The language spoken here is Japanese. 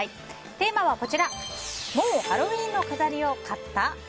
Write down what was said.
テーマは、もうハロウィーンの飾りを買った？